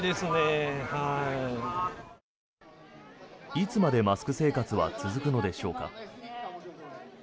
いつまでマスク生活は続くのでしょうか。